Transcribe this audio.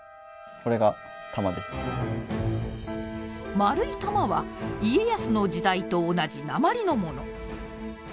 丸い弾は家康の時代と同じ鉛のもの。